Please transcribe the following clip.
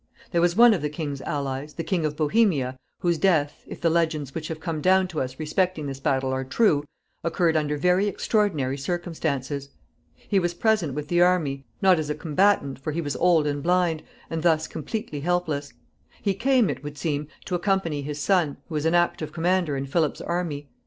There was one of the king's allies, the King of Bohemia, whose death, if the legends which have come down to us respecting this battle are true, occurred under very extraordinary circumstances. He was present with the army, not as a combatant, for he was old and blind, and thus completely helpless. He came, it would seem, to accompany his son, who was an active commander in Philip's army.